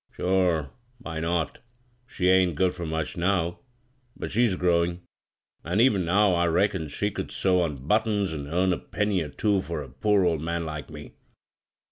"Sure! Why not? She ain't good fur much now — but she's growin' ; an' even now I reckon she oould sew on buttons an* earn a penny or two for a poor old man like me.